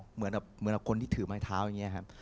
เหมือนกับคนที่ถือไม้เท้าอย่างนี้ครับ